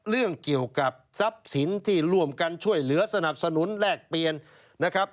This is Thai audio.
เรื่องเกี่ยวกับทรัพย์สินที่ร่วมกันช่วยเหลือสนับสนุนแลกเปลี่ยนนะครับ